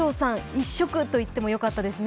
一色といってもよかったですね。